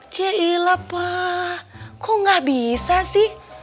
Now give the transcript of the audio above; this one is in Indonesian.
ciee lah pa kok gak bisa sih